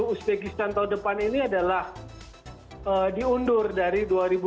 uzbekistan tahun depan ini adalah diundur dari dua ribu dua puluh